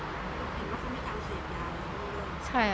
แล้วเขาก็ไม่อยากเสพยาไหม